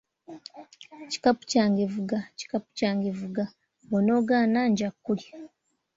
“Kikapu kyange vuga, Kikapu kyange vuga, Bw’onoogaana nja kulya.”